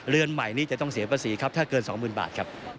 เรือนใหม่นี้จะต้องเสียภาษีถ้าเกิน๒หมื่นบาท